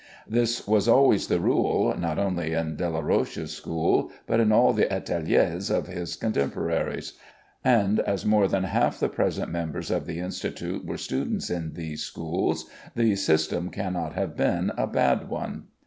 This was always the rule, not only in Delaroche's School, but in all the ateliers of his contemporaries; and as more than half the present members of the Institute were students in these schools, the system cannot have been a bad one.